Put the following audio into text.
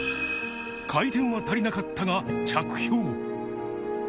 回転は足りなかったが着氷。